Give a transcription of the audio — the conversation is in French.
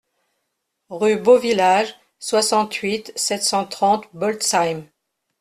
Rue Beau Village, soixante-huit, sept cent trente Blotzheim